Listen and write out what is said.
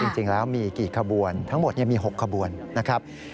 จริงแล้วมีกี่ขบวนทั้งหมดมี๖ขบวนนะครับ